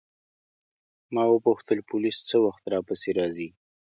ما وپوښتل پولیس څه وخت راپسې راځي.